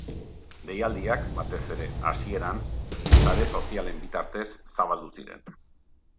Deialdiak, batez ere hasieran, sare sozialen bitartez zabaldu ziren.